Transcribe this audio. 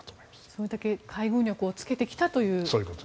それだけ海軍力をつけてきたという。